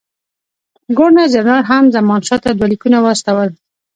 ګورنر جنرال هم زمانشاه ته دوه لیکونه واستول.